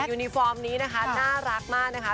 ยูนิฟอร์มนี้นะคะน่ารักมากนะคะ